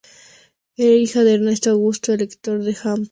Era hija de Ernesto Augusto, elector de Hannover, y Sofía de Wittelsbach.